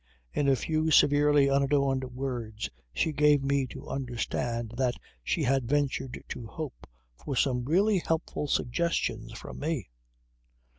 In a few severely unadorned words she gave me to understand that she had ventured to hope for some really helpful suggestion from me.